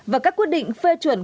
và các quyết định phê chuẩn